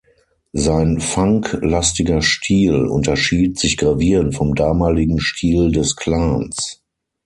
Sein Funk-lastiger Stil unterschied sich gravierend vom damaligen Stil des Clans.